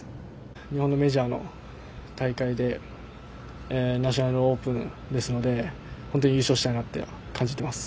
日本のメジャーの大会でナショナルオープンですので本当に優勝したいと感じています。